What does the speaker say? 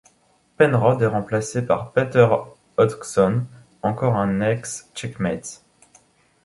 Penrod est remplacé par Peter Hodgson, encore un ex-Checkmates.